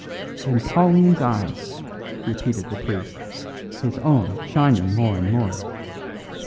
"In Pauline's eyes," repeated the priest, his own shining more and more.